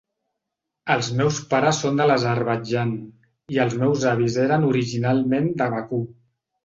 Els meus pares són de l'Azerbaidjan, i els meus avis eren originalment de Bakú.